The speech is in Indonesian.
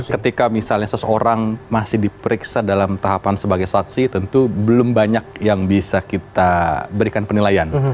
ketika misalnya seseorang masih diperiksa dalam tahapan sebagai saksi tentu belum banyak yang bisa kita berikan penilaian